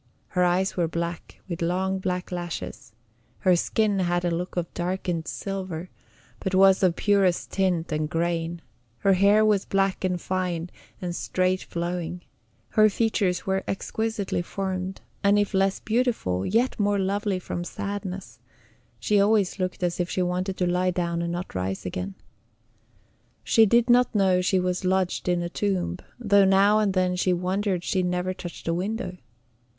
Her eyes were black, with long black lashes; her skin had a look of darkened silver, but was of purest tint and grain; her hair was black and fine and straight flowing; her features were exquisitely formed, and if less beautiful, yet more lovely from sadness; she always looked as if she wanted to lie down and not rise again. She did not know she was lodged in a tomb, though now and then she wondered she never touched a window.